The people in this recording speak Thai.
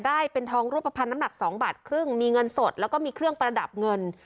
ได้เป็นทองรูปภัณฑ์น้ำหนัก๒บาทครึ่งมีเงินสดแล้วก็มีเครื่องประดับเงิน